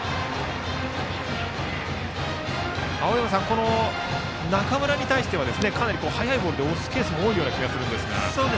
青山さん、中村に対してはかなり速いボールで押すケースも多いようですが。